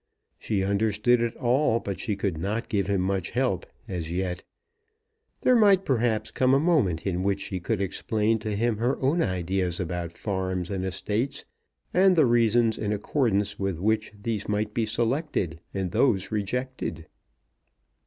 She understood it all, but she could not give him much help, as yet. There might perhaps come a moment in which she could explain to him her own ideas about farms and estates, and the reasons in accordance with which these might be selected and those rejected.